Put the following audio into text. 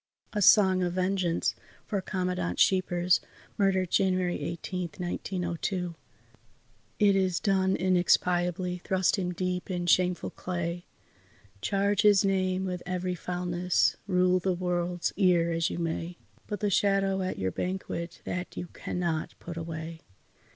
A SONG OF VENGEANCE FOR COMMANDANT SCHEEPERS (Murdered January 18, 1902) It is done inexpiably; thrust him deep in shameful clay, Charge his name with every foulness, rule the world's ear as you may But the shadow at your banquet that you cannot put away!